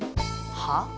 はあ？